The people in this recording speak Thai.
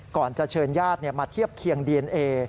ก่อนจะเชิญญาติมาเทียบเคียงดีเอนเอ